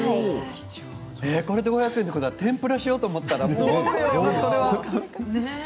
これで５００円ということは天ぷらしようと思ったらね。